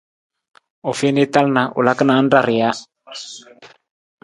U fiin i tal na, u laka naan ra rija.